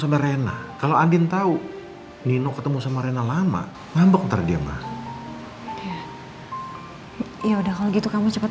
sama rena kalau adin tahu nino ketemu sama rena lama ngambek terdiam ya udah kalau gitu kamu cepet